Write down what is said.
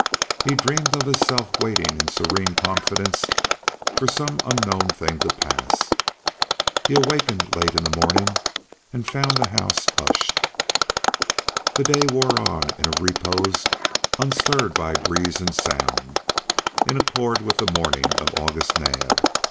He dreamed of himself waiting in serene confidence for some unknown thing to pass. He awakened late in the morning and found the house hushed. The day wore on in a repose unstirred by breeze and sound, in accord with the mourning of August Naab.